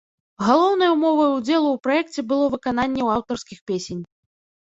Галоўнай умовай удзелу ў праекце было выкананне аўтарскіх песень.